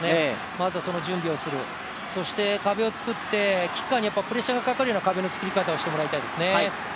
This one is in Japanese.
まずはその準備をするそして壁を作ってキッカーにプレッシャーがかかるような壁を作りたいですね。